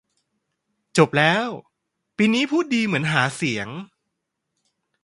จบแล้ว ปีนี้พูดดีเหมือนหาเสียง